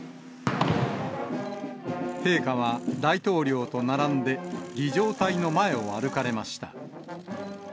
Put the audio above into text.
陛下は大統領と並んで、儀じょう隊の前を歩かれました。